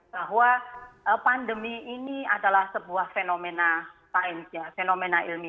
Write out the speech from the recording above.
bahwa pandemi ini adalah sebuah fenomena ilmu